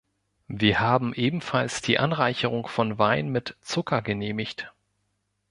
Wir haben ebenfalls die Anreicherung von Wein mit Zucker genehmigt.